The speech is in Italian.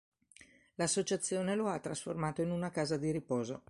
L'associazione lo ha trasformato in una casa di riposo.